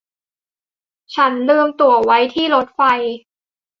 ฉันลืมตั๋วไว้ที่รถไฟ